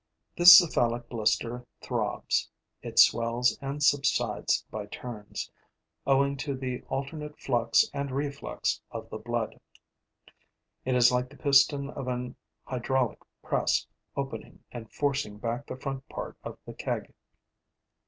This cephalic blister throbs: it swells and subsides by turns, owing to the alternate flux and reflux of the blood. It is like the piston of an hydraulic press opening and forcing back the front part of the keg.